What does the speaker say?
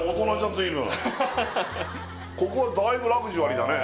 ずいぶんここはだいぶラグジュアリーだね